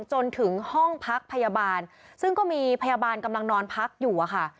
จนถึงห้องพักพยาบาลซึ่งก็มีพยาบาลกำลังนอนพักอยู่อะค่ะ